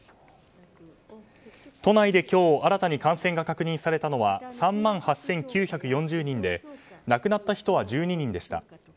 都内で今日新たに感染が確認されたのは３万８９４０人で亡くなった人は１２人でした。